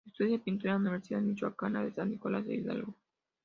Estudió pintura en la Universidad Michoacana de San Nicolás de Hidalgo.